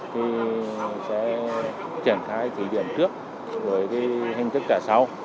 thì sẽ triển khai thủ điểm trước với hình thức trả sau